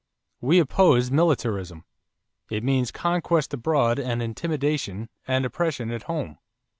We oppose militarism. It means conquest abroad and intimidation and oppression at home.